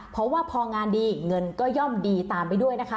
เพราะว่าพองานดีเงินก็ย่อมดีตามไปด้วยนะคะ